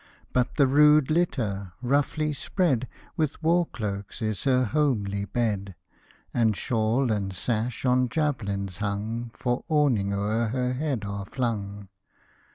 But the rude litter, roughly spread With war cloaks, is her homely bed, And shawl and sash, on javelins hung, For awning o'er her head are flung.